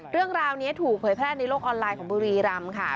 เรื่องราวนี้ถูกเผยแพร่ในโลกออนไลน์ของบุรีรำค่ะ